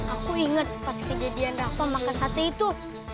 aku inget pas kejadian rafa makan sate itu